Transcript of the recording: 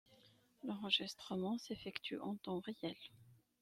L'enregistrement s'effectue en temps réel.